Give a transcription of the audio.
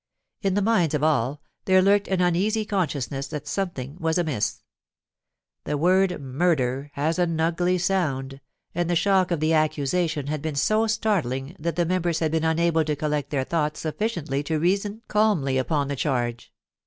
In the minds of all, there lurked an uneasy consciousness that something was amiss. The w^ord * murder* has an ugly sound, and the shock of the accusation had been so startling that the members had been unable to collect their thoughts suffi ciently to reason calmly upon the charge.